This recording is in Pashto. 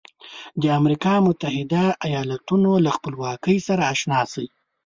د امریکا متحده ایالتونو له خپلواکۍ سره آشنا شئ.